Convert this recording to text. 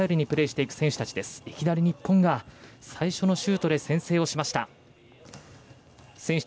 いきなり日本が最初のシュートで先制をしました。